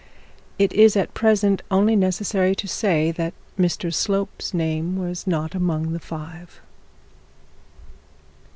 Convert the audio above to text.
It is at present only necessary to say that Mr Slope's name was not among the five.